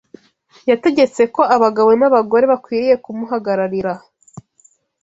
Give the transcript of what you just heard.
Yategetse ko abagabo n’abagore bakwiriye kumuhagararira.